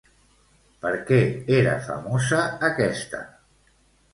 Per què era famosa aquesta?